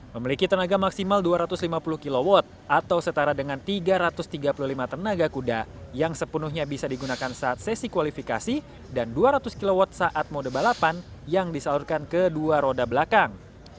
memiliki tenaga maksimal dua ratus lima puluh kw atau setara dengan tiga ratus tiga puluh lima tenaga kuda yang sepenuhnya bisa digunakan saat sesi kualifikasi dan dua ratus kw saat mode balapan yang disalurkan ke dua roda belakang